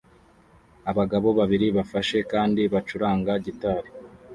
Abagabo babiri bafashe kandi bacuranga gitari